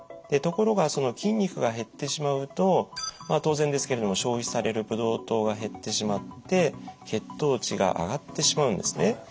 ところがその筋肉が減ってしまうと当然ですけれども消費されるブドウ糖が減ってしまって血糖値が上がってしまうんですね。